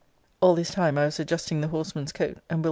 All this time I was adjusting the horseman's coat, and Will.